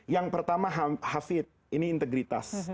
yang pertama hafid ini integritas